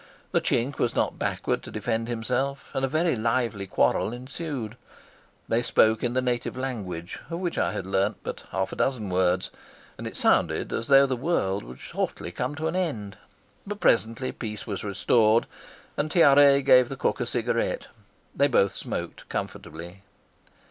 The Chink was not backward to defend himself, and a very lively quarrel ensued. They spoke in the native language, of which I had learnt but half a dozen words, and it sounded as though the world would shortly come to an end; but presently peace was restored and Tiare gave the cook a cigarette. They both smoked comfortably.